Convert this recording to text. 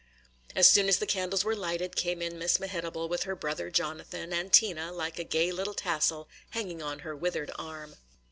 As soon as the candles were lighted came in Miss Mehitable with her brother Jonathan, and Tina, like a gay little tassel, hanging on her withered arm.